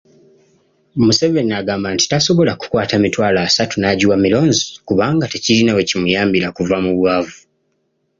Museveni agamba nti tasobola kukwata mitwalo asatu n'agiwa mulonzi kubanga tekirina we kimuyambira kuva mu bwavu.